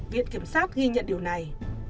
viện kiểm sát ghi nhận điều này